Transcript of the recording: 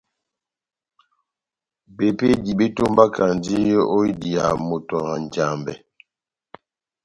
Bepédi bétómbakandi ó idiya moto na Njambɛ.